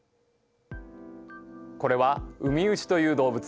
これはウミウシという動物。